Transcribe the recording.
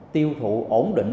tiêu thụ ổn định